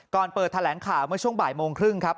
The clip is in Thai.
เปิดแถลงข่าวเมื่อช่วงบ่ายโมงครึ่งครับ